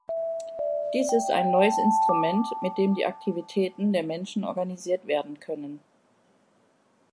Dies ist ein neues Instrument, mit dem die Aktivitäten der Menschen organisiert werden können.